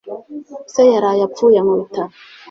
Se yaraye apfuye mu bitaro